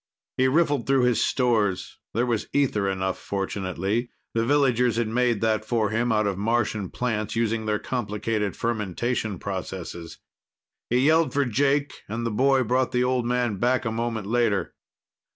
He riffled through his stores; There was ether enough, fortunately. The villagers had made that for him out of Martian plants, using their complicated fermentation processes. He yelled for Jake, and the boy brought the old man back a moment later.